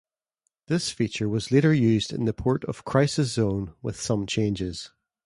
This feature was later used in the port of "Crisis Zone", with some changes.